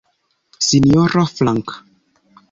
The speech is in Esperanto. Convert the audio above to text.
Sinjoro Frank?